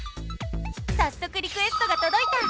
さっそくリクエストがとどいた！